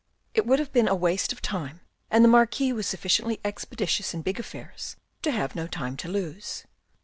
It would have been waste of time, and the Marquis was sufficiently expeditious in big affairs to have no time to lose.